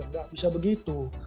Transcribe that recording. tidak bisa begitu